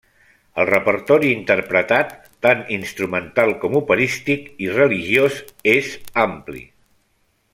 El repertori interpretat, tant instrumental com operístic i religiós, és ampli.